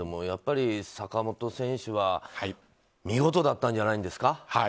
やっぱり坂本選手は見事だったんじゃないですか。